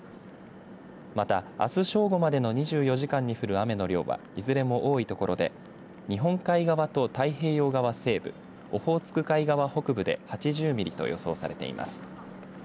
またあす正午までの２４時間に降る雨の量はいずれも多いところで日本海側と太平洋側西部オホーツク海側北部で８０ミリと予想されています。